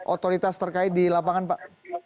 otoritas terkait di lapangan pak